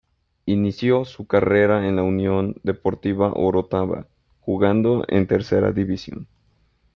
Inició su carrera en la Unión Deportiva Orotava, jugando en Tercera División.